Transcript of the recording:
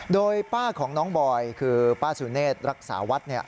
โดยป้าของน้องบอยคือป้าสุเนธรักษาวัด